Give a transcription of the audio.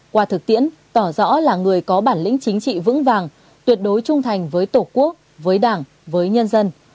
qua thực tiễn tỏ rõ là người có bản lĩnh chính trị vững vàng tuyệt đối trung thành với tổ quốc với đảng với nhân dân